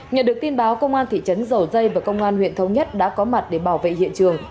nhận được tin báo công an thị trấn dầu dây và công an huyện thống nhất đã có mặt để bảo vệ hiện trường